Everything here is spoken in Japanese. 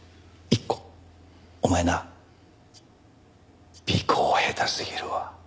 お前な尾行下手すぎるわ。